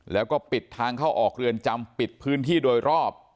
แล้วก็ปิดทางเข้าออกเรือนจำปิดพื้นที่โดยรอบ